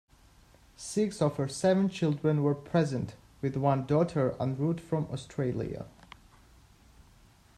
Six of her seven children were present, with one daughter en route from Australia.